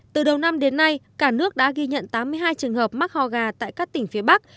từ đầu năm đến nay cả nước đã ghi nhận tám mươi hai trường hợp mắc ho gà tại các tỉnh phía bắc